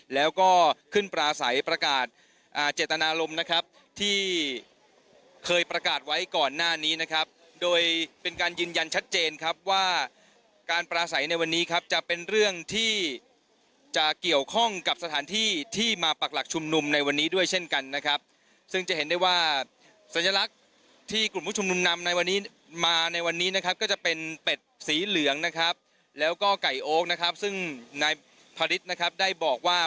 แล้วก็ขึ้นปราศัยประกาศอ่าเจตนารมนะครับที่เคยประกาศไว้ก่อนหน้านี้นะครับโดยเป็นการยืนยันชัดเจนครับว่าการปราศัยในวันนี้ครับจะเป็นเรื่องที่จะเกี่ยวข้องกับสถานที่ที่มาปรักหลักชุมนุมในวันนี้ด้วยเช่นกันนะครับซึ่งจะเห็นได้ว่าสัญลักษณ์ที่กลุ่มผู้ชุมนุมนำในวันนี้มาในวันนี้นะครับ